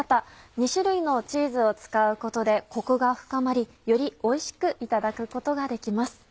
２種類のチーズを使うことでコクが深まりよりおいしくいただくことができます。